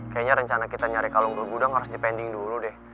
kayaknya rencana kita nyari kalung bergudang harus dipending dulu deh